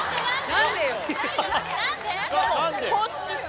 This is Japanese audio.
何でよ？